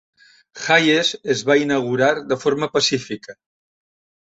Hayes es va inaugurar de forma pacífica.